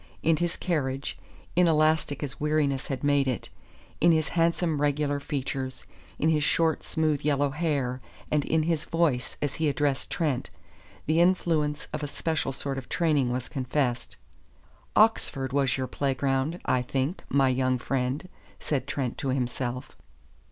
In his carriage, inelastic as weariness had made it, in his handsome, regular features, in his short, smooth yellow hair and in his voice as he addressed Trent, the influence of a special sort of training was confessed. "Oxford was your playground, I think, my young friend," said Trent to himself.